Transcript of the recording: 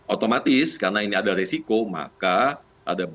otomatis karena ini ada resiko kita harus mencari instrumen investasi yang relatif